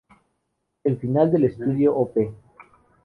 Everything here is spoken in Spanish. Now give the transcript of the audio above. El final del Estudio Op.